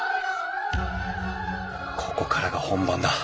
ここからが本番だ。